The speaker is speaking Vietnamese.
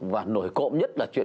và nổi cộng nhất là chuyện